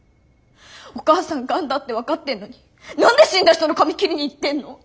お母さんがんだって分かってんのに何で死んだ人の髪切りに行ってんの？